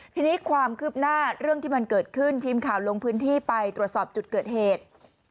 ทีนี้ความคืบหน้าเรื่องที่มันเกิดขึ้นทีมข่าวลงพื้นที่ไปตรวจสอบจุดเกิดเหตุ